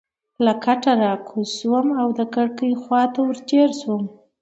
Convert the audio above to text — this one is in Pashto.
له کټه راکوز شوم او د کړکۍ خوا ته ورتېر شوم.